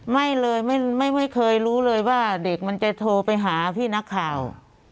ไม่เลยไม่เคยรู้เลยว่าเด็กมันจะโทรไปหาพี่นักข่าว